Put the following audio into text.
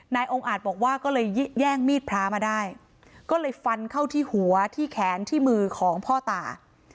องค์อาจบอกว่าก็เลยแย่งมีดพระมาได้ก็เลยฟันเข้าที่หัวที่แขนที่มือของพ่อตา